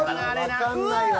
わかんないわ。